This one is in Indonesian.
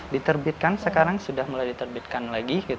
diterbitkan sekarang sudah mulai diterbitkan lagi